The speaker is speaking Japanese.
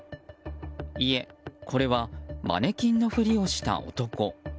いえ、これはマネキンのふりをした男。